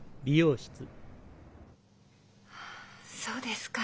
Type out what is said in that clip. はあそうですか。